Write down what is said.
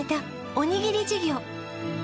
おにぎり事業